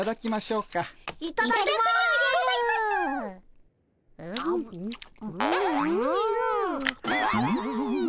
うん！